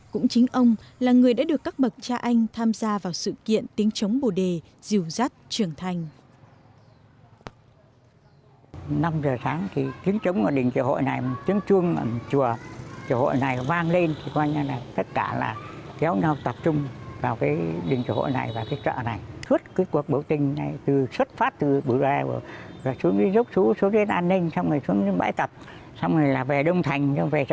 cũng chính ông là người đã được các bậc cha anh tham gia vào sự kiện tiếng chống bồ đề dìu dắt trưởng thành